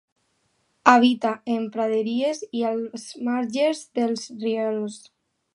Habita en praderies i als marges dels rierols.